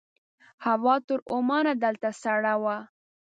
هوا تر عمان دلته سړه وه.